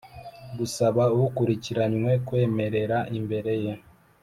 gusaba ukurikiranywe kwemerera imbere ye